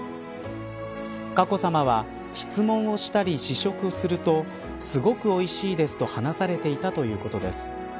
佳子さまは質問をしたり試食するとすごくおいしいですと話されていたということです。